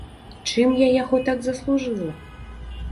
Чым я яго так заслужыла?